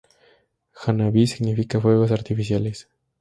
Hanabi significa "fuegos artificiales".